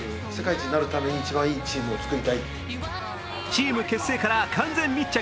チーム結成から完全密着。